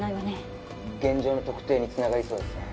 現場の特定につながりそうですね。